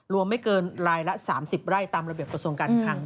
รวมไม่เกินรายละ๓๐ไร่ตามระเบียบประสงค์การทั้งทั้ง